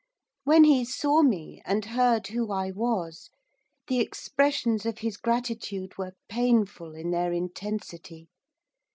When he saw me, and heard who I was, the expressions of his gratitude were painful in their intensity.